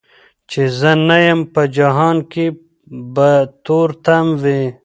چي زه نه یم په جهان کي به تور تم وي